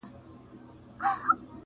دا جلادان ستا له زاریو سره کار نه لري،